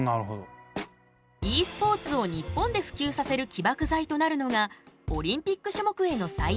ｅスポーツを日本で普及させる起爆剤となるのがオリンピック種目への採用。